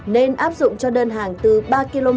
nên áp dụng cho đơn hàng từ ba km